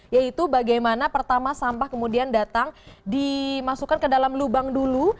yaitu bagaimana pertama sampah kemudian datang dimasukkan ke dalam lubang dulu